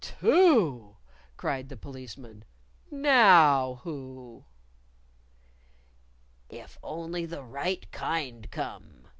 "Two!" cried the Policeman. "Now who?" "If only the right kind come!"